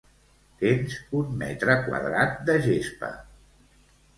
Tens un metre quadrat de gespa.